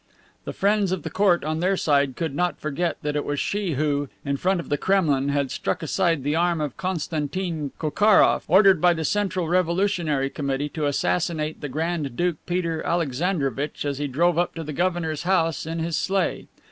The friends of the Court on their side could not forget that it was she who, in front of the Kremlin, had struck aside the arm of Constantin Kochkarof, ordered by the Central Revolutionary Committee to assassinate the Grand Duke Peter Alexandrovitch as he drove up to the governor's house in his sleigh.